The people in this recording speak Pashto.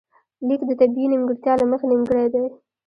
ليک د طبیعي نیمګړتیا له مخې نیمګړی دی